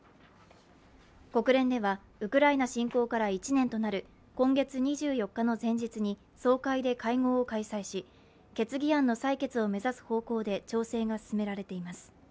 国連ではウクライナ侵攻から１年となる今月２４日の前日に総会で会合を開催し、決議案の採決を目指す方向で調整が進められています。